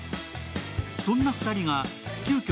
そんな２人が急きょ